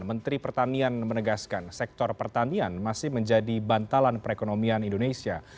menteri pertanian menegaskan sektor pertanian masih menjadi bantalan perekonomian indonesia